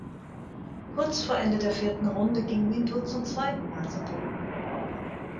Kurz vor Ende der vierten Runde ging Minto zum zweiten Mal zu Boden.